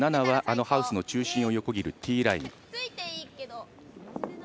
７はあのハウスの中心を横切るティーライン。